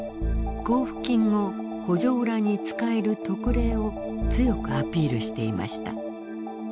交付金を補助裏に使える特例を強くアピールしていました。